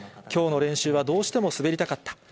きょうの練習は、どうしても滑りたかった。